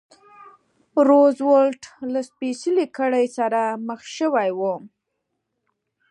روزولټ له سپېڅلې کړۍ سره مخ شوی و.